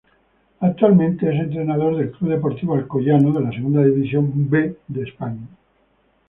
Actualmente es entrenador del Club Deportivo Alcoyano de la Segunda División B de España.